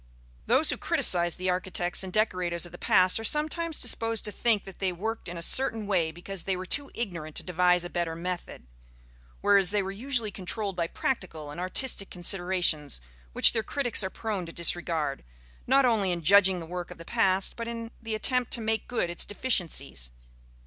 Those who criticize the architects and decorators of the past are sometimes disposed to think that they worked in a certain way because they were too ignorant to devise a better method; whereas they were usually controlled by practical and artistic considerations which their critics are prone to disregard, not only in judging the work of the past, but in the attempt to make good its deficiencies.